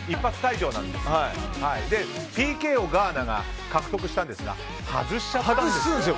そしてＰＫをガーナが獲得したんですが外しちゃったんですね。